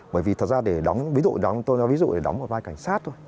bởi vì thật ra để đóng ví dụ đó tôi nói ví dụ để đóng một vai cảnh sát thôi